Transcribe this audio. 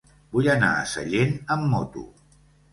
Vull anar a Sellent amb moto.